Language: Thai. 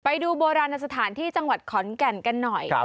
ไปดูโบราณสถานที่จังหวัดขอนแก่นกันหน่อย